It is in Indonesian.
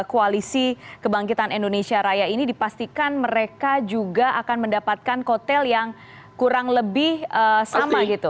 koalisi kebangkitan indonesia raya ini dipastikan mereka juga akan mendapatkan kotel yang kurang lebih sama gitu